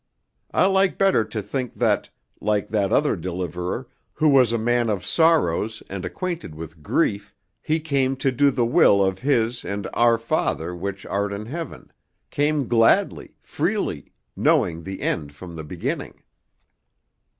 I like better to think that, like that other Deliverer, who was a man of sorrows and acquainted with grief, he came to do the will of his and our Father which art in heaven, came gladly, freely, knowing the end from the beginning."